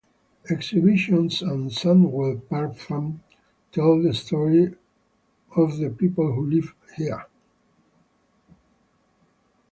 Exhibitions at Sandwell Park Farm tell the story of the people who lived here.